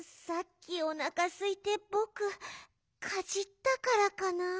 さっきおなかすいてぼくかじったからかな？